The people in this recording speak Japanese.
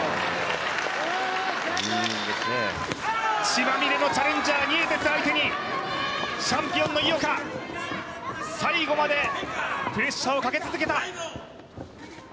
血まみれのチャレンジャーニエテス相手にチャンピオンの井岡、最後までプレッシャーをかけ続けた。